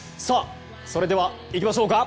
それではいきましょうか。